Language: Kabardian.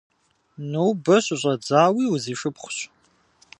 Нобэ щыщӀэдзауи узишыпхъущ!